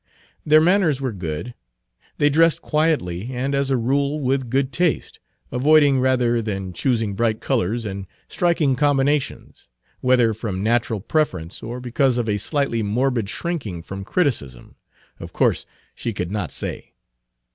Their manners were good, they dressed quietly and as a rule with good taste, avoiding rather than choosing bright colors and striking combinations whether from natural preference, or because of a slightly morbid shrinking from criticism, of course she could not say.